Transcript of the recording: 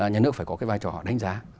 nhà nước phải có cái vai trò đánh giá